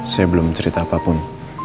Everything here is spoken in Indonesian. saya belum cerita apapun